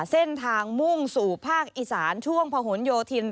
เส้นทางมุ่งสู่ภาคอีสานช่วงพะหนโยธิน